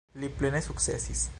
Li plene sukcesis.